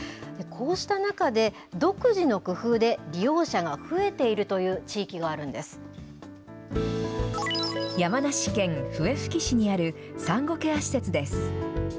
こうした中で、独自の工夫で利用者が増えているという地域がある山梨県笛吹市にある産後ケア施設です。